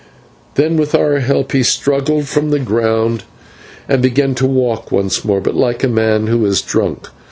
Then with our help he struggled from the ground and began to walk once more, but like a man who is drunk.